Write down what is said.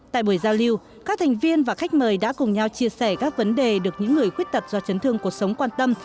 tại buổi giao lưu các thành viên và khách mời đã cùng nhau chia sẻ các vấn đề được những người khuyết tật do chấn thương cuộc sống quan tâm